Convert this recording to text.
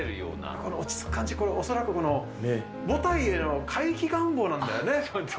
この落ち着く感じ、恐らく母体への回帰願望なんだよね。